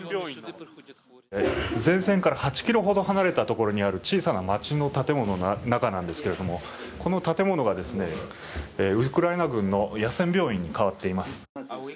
前線から８ｋｍほど離れた所にある小さな街の建物の中なんですけれども、この建物がウクライナ軍の野戦病院に変わっています。